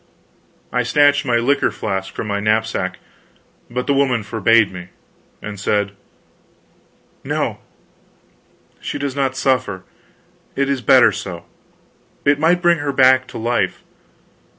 I snatched my liquor flask from my knapsack, but the woman forbade me, and said: "No she does not suffer; it is better so. It might bring her back to life.